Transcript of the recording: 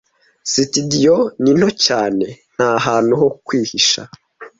Sitidiyo ni nto cyane, ntahantu ho kwihisha.